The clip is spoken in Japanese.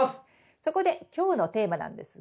そこで今日のテーマなんですが。